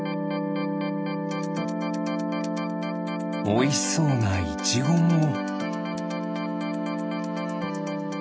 おいしそうなイチゴも。